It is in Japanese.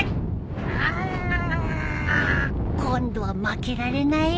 今度は負けられないよ！